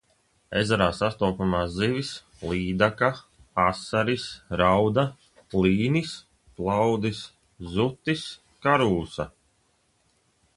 Ezerā sastopamās zivis: līdaka, asaris, rauda, līnis, plaudis, zutis, karūsa.